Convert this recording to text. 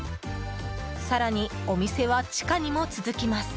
更に、お店は地下にも続きます。